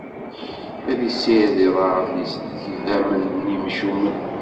Ad issired iḍarren-is deg yidammen n yimcumen.